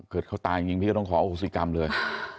เกิดเขาตายจริงพี่ก็ต้องขอโภษีกรรมเลย